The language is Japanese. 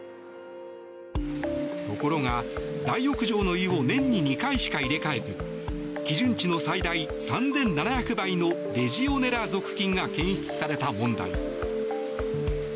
ところが、大浴場の湯を年に２回しか入れ替えず基準値の最大３７００倍のレジオネラ属菌が検出された問題。